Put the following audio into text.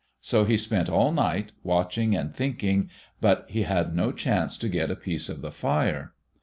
So he spent all night watching and thinking, but he had no chance to get a piece of the fire.